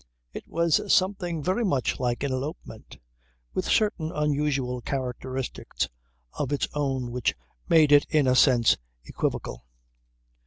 It was something very much like an elopement with certain unusual characteristics of its own which made it in a sense equivocal.